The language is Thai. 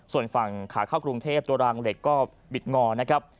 ส่วนฝั่งขาเข้ากรุงเทพตัวรางเหล็กก็บิดงอนะครับ